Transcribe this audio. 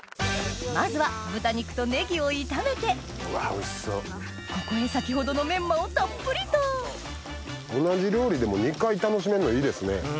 まずは豚肉とネギを炒めてここへ先ほどのメンマをたっぷりと同じ料理でも２回楽しめるのいいですね。